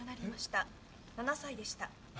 ７歳でした。